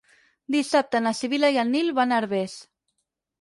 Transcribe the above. Dissabte na Sibil·la i en Nil van a Herbers.